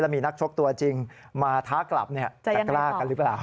มีนักชกตัวจริงมาท้ากลับจะกล้ากันหรือเปล่า